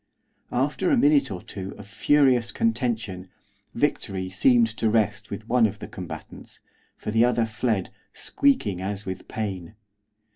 After a minute or two of furious contention, victory seemed to rest with one of the combatants, for the other fled, squeaking as with pain.